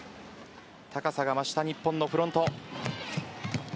高さが増した日本のフロント。